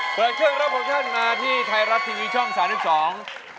เปิดเชื่อรับหกเชื่อร์มาที่ไทยรับทิวีช่อง๓๒